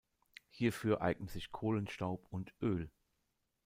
Hierfür eignen sich Kohlenstaub und Öl.